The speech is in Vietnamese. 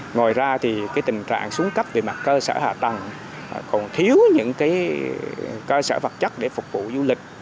ngoài ra tình trạng xuống cấp về mặt cơ sở hạ tầng còn thiếu những cơ sở vật chất để phục vụ du lịch